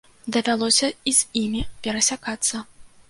Давялося і з імі перасякацца.